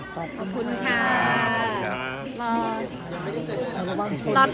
ขอบคุณค่าาาาาารอด